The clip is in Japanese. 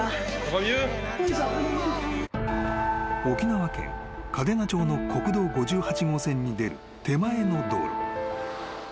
［沖縄県嘉手納町の国道５８号線に出る手前の道路］